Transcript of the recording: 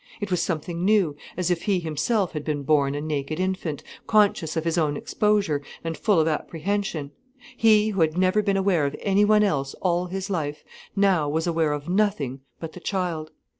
It was something new, as if he himself had been born a naked infant, conscious of his own exposure, and full of apprehension. He who had never been aware of anyone else, all his life, now was aware of nothing but the child.